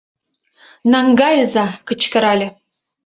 Наҥгайыза! — кычкырале...